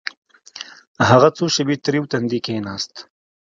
هغه څو شېبې تريو تندى کښېناست.